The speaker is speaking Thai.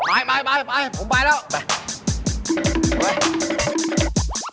ไปผมไปแล้ว